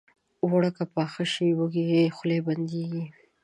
اوړه که پاخه شي، وږې خولې بندېږي